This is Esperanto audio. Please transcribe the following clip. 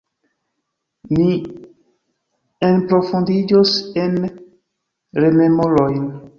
Ni enprofundiĝos en rememorojn.